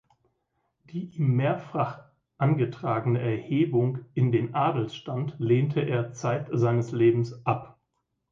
Die ihm mehrfach angetragene Erhebung in den Adelsstand lehnte er zeit seines Lebens ab.